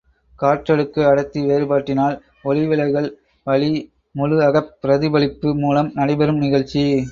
காற்றடுக்கு அடர்த்தி வேறுபாட்டினால் ஒளிவிலகல் வழி முழு அகப் பிரதிபலிப்பு மூலம் நடைபெறும் நிகழ்ச்சி.